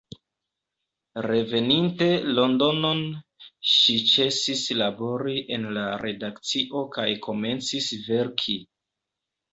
Reveninte Londonon, ŝi ĉesis labori en la redakcio kaj komencis verki.